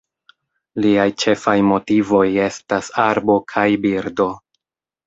Liaj ĉefaj motivoj estas arbo kaj birdo.